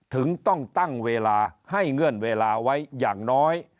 ถึงต้องตั้งเวลาให้เงื่อนเวลาไว้อย่างน้อย